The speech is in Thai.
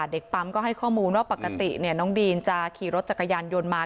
เด็กปั๊มก็ให้ข้อมูลว่าปกติน้องดีนจะขี่รถจักรยานยนต์มา